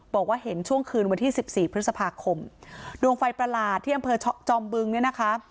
บอกว่าเห็นช่วงคืนวันที่สิบสี่พฤษภาคมดวงไฟประหลาดที่อำเภอจอมบึงเนี่ยนะคะ